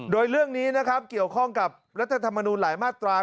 โดยเรื่องนี้นะครับเกี่ยวข้องกับรัฐธรรมนูลหลายมาตรา